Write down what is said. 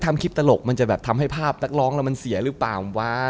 ทำคลิปตลกมันจะทำให้ภาพนักร้องมันเสียรึเปล่า